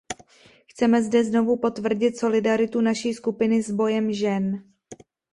Chceme zde znovu potvrdit solidaritu naší skupiny s bojem žen.